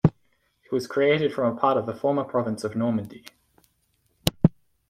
It was created from a part of the former province of Normandy.